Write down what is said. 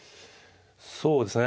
そうですね。